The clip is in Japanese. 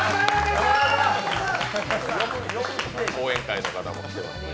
後援会の方も来てますね。